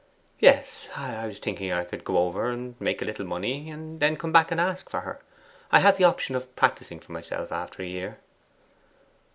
'Yes; I was thinking I could go over and make a little money, and then come back and ask for her. I have the option of practising for myself after a year.